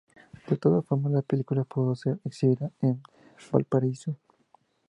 De todas formas, la película pudo ser exhibida en Valparaíso.